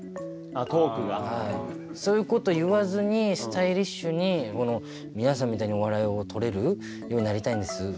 そういうこと言わずにスタイリッシュにこの皆さんみたいにお笑いを取れるようになりたいんです。